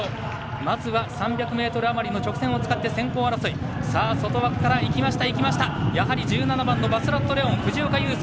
まずは３００ｍ余りの直線を使って先行争い、外枠から１７番のバスラットレオン藤岡佑介。